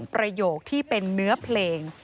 ประโยคที่เป็นเนื้อเพลง